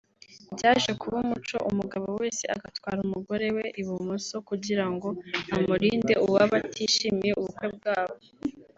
Byaje kuba umuco umugabo wese agatwara umugore we ibumoso kugira ngo amurinde uwaba atishimiye ubukwe bwabo